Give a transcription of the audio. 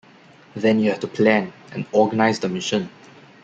Then you have to plan and organize the mission.